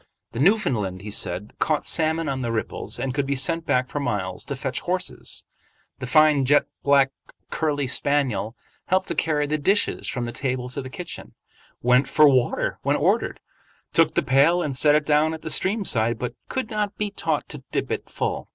The Newfoundland, he said, caught salmon on the ripples, and could be sent back for miles to fetch horses. The fine jet black curly spaniel helped to carry the dishes from the table to the kitchen, went for water when ordered, took the pail and set it down at the stream side, but could not be taught to dip it full.